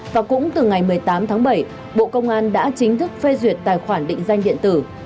và cũng từ ngày một mươi tám tháng bảy bộ công an đã chính thức phê duyệt tài khoản định danh điện tử